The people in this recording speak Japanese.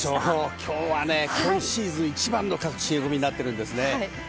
今日は今シーズン一番の冷え込みになっています。